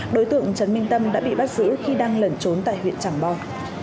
đối tượng trần minh tâm đã bị bắt giữ khi đang lẩn trốn tại huyện trảng bom